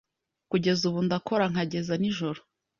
kugeza ubu ndakora nkageza nijoro